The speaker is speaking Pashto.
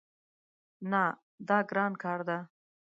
نه، دا ګران کار ده